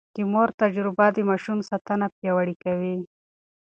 د مور تجربه د ماشوم ساتنه پياوړې کوي.